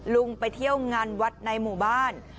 ลุงไปเที่ยวงานวัดในหมู่บ้าน